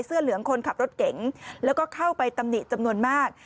เหลืองคนขับรถเก๋งแล้วก็เข้าไปตำหนิจำนวนมาก